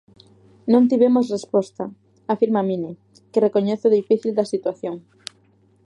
Non tivemos resposta, afirma 'Mini', que recoñece o difícil da situación.